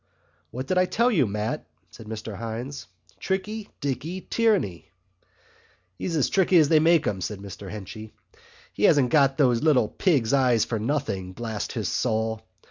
"What did I tell you, Mat?" said Mr Hynes. "Tricky Dicky Tierney." "O, he's as tricky as they make 'em," said Mr Henchy. "He hasn't got those little pigs' eyes for nothing. Blast his soul!